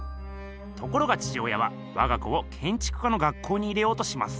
ところが父親はわが子をけんちく家の学校に入れようとします。